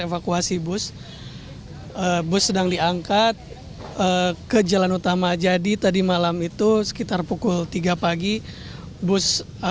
evakuasi bus bus sedang diangkat ke jalan utama jadi tadi malam itu sekitar pukul tiga pagi bus